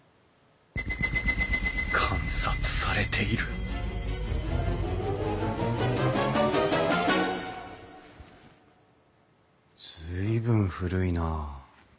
観察されている随分古いなあ。